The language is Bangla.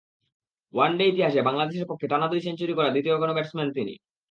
ওয়ানডে ইতিহাসে বাংলাদেশের পক্ষে টানা দুই সেঞ্চুরি করা দ্বিতীয় ব্যাটসম্যানও তিনি।